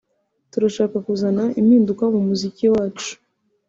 turashaka kuzana impinduka mu muziki wacu